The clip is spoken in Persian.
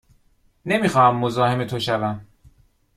نمی خواهم مزاحم تو شوم.